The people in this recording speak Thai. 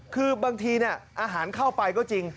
คือบางทีอาหารเข้าไปก็จริง